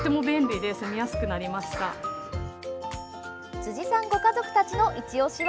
辻さんご家族たちのいちオシは？